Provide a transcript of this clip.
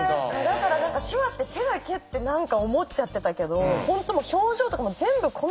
だから何か手話って手だけって何か思っちゃってたけど本当表情とかも全部込みなんですね。